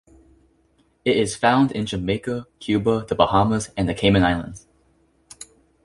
It is found in Jamaica, Cuba, the Bahamas and the Cayman Islands.